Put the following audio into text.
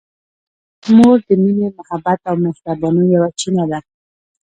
مور د مینې، محبت او مهربانۍ یوه چینه ده.